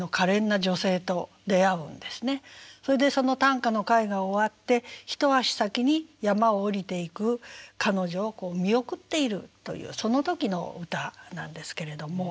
それでその短歌の会が終わって一足先に山を下りていく彼女をこう見送っているというその時の歌なんですけれども。